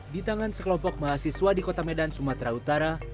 di tangan sekelompok mahasiswa di kota medan sumatera utara